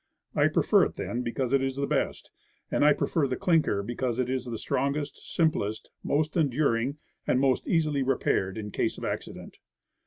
I prefer it, then, because it is the best. And I prefer the clinker, because it is the strongest, simplest, most enduring, and most easily repaired in case of accident.